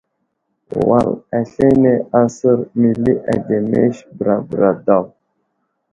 Wal aslane asər məli ademes bəra bəra daw.